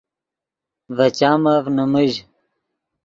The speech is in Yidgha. ڤے چامف نیمیژ